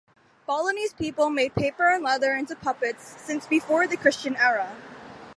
Balinese people made paper and leather into puppets since before the Christian Era.